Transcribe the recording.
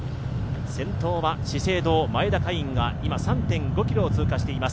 先頭は資生堂・前田海音が今、３．５ｋｍを通過しています。